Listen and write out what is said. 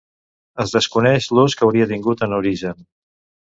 Es desconeix l'ús que hauria tingut en origen.